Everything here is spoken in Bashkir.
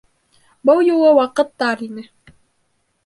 Был юлы ваҡыт тар ине.